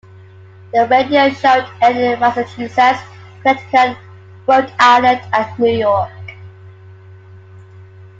The radio show aired in Massachusetts, Connecticut, Rhode Island and New York.